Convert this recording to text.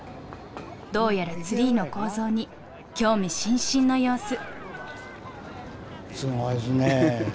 どうやらツリーの構造に興味津々の様子。